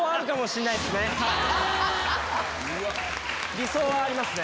理想はありますね。